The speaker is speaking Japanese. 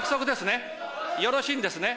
よろしいんですね？